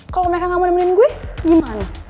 kalo mereka ga mau nemenin gue gimana